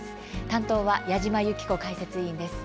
担当は矢島ゆき子解説委員です。